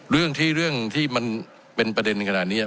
เรื่องที่มันเป็นประเด็นขนาดนี้